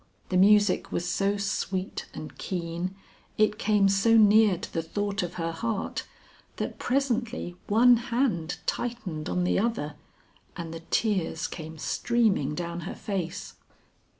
The music was so sweet and keen, it came so near to the thought of her heart, that presently one hand tightened on the other, and the tears came streaming down her face.